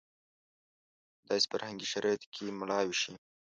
په داسې فرهنګي شرایطو کې مړاوې شي.